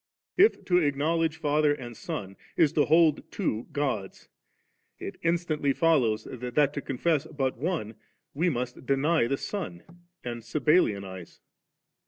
If to acknowledge Father and Son, is to hold two Gods, it instantly 3 follows that to confess but one we must deny die Son and Sabellianise.